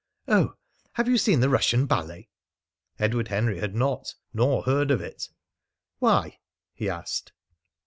"Oh! ... Have you seen the Russian ballet?" Edward Henry had not, nor heard of it. "Why?" he asked.